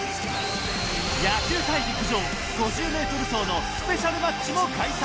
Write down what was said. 野球対陸上５０ｍ走のスペシャルマッチも開催